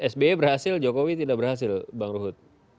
sby berhasil jokowi tidak berhasil bang ruhut